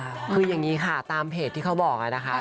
คืออย่างนี้ค่ะตามเพจที่เขาบอกนะคะ